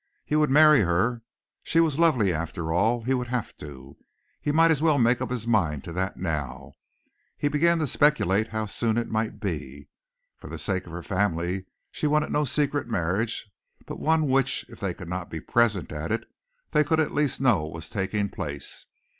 He would marry her. She was lovely after all. He would have to. He might as well make up his mind to that now. He began to speculate how soon it might be. For the sake of her family she wanted no secret marriage but one which, if they could not be present at it, they could at least know was taking place.